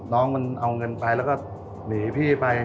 น้องมันเอาเงินไปแล้วก็หนีพี่ไป